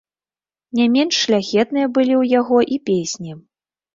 Не менш шляхетныя былі ў яго і песні.